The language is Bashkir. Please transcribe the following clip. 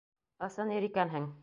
Ысын ир икәнһең!